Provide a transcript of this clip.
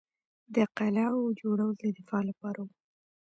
د قلعو جوړول د دفاع لپاره وو